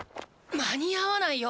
間に合わないよ！